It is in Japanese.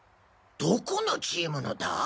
どこのチームのだ？